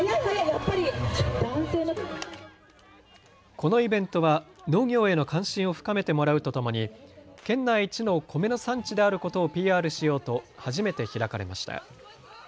このイベントは農業への関心を深めてもらうとともに県内一の米の産地であることをＰＲしようと初めて開かれました。